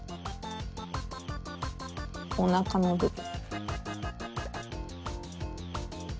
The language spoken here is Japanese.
おなかのぶぶん。